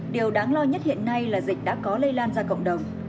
điều đáng lo nhất hiện nay là dịch đã có lây lan ra cộng đồng